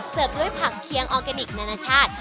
เสิร์ฟด้วยผักเคียงออร์แกนิคนานาชาติ